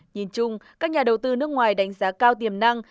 nhìn chung các nhà đầu tư nước ngoài đánh giá cao tiềm năng